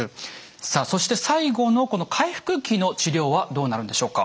さあそして最後のこの回復期の治療はどうなるんでしょうか？